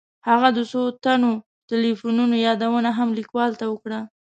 هغه د څو تنو تیلیفونونو یادونه هم لیکوال ته وکړه.